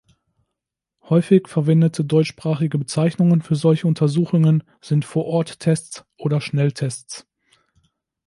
Häufig verwendete deutschsprachige Bezeichnungen für solche Untersuchungen sind "Vor-Ort-Tests" oder Schnelltests.